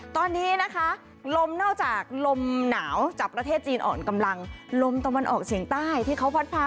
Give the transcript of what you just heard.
ตอนนี้นะคะลมนอกจากลมหนาวจากประเทศจีนอ่อนกำลังลมตะวันออกเฉียงใต้ที่เขาพัดพา